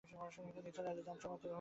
নিসার আলি যন্ত্রের মতো ঘুমুতে গেলেন।